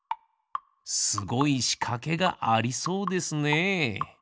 すごいしかけがありそうですね。